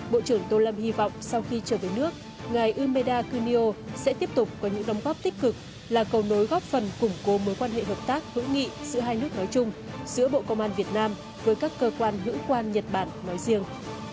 bộ trưởng tô lâm hy vọng sau khi trở về nước ngài umeda kunio sẽ tiếp tục có những đồng góp tích cực là cầu nối góp phần củng cố mối quan hệ hợp tác hữu nghị giữa hai nước nói chung giữa bộ công an việt nam với các cơ quan hữu quan nhật bản nói riêng